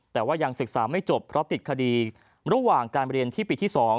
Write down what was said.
แต่ว่ายังศึกษาไม่จบเพราะติดคดีระหว่างการเรียนที่ปีที่๒